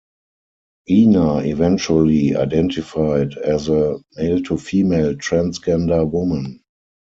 Einar eventually identified as a male-to-female transgender woman.